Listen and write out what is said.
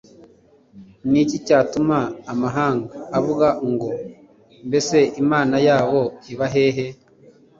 ni iki cyatuma amahanga avuga ngo mbese imana yabo iba hehe